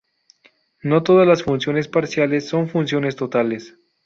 No todas las funciones parciales son funciones totales.